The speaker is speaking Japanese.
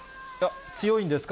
強いんですか？